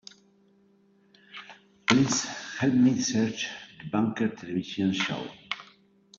Please help me search The Banker television show.